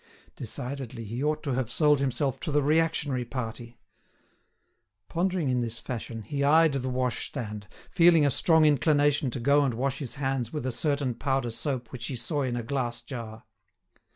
Decidedly, he ought to have sold himself to the reactionary party. Pondering in this fashion, he eyed the washstand, feeling a strong inclination to go and wash his hands with a certain powder soap which he saw in a glass jar.